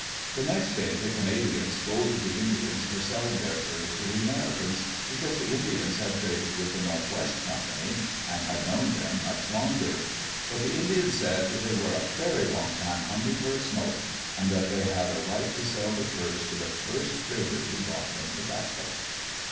The next day the Canadians scolded die Indians for selling their furs to the Americans, because the Indians had traded with the North West Company and had known them much longer. But the Indians said they were "a very long time hungry for a smoke, and that they had a right to sell the furs to the first trader who brought them tobacco.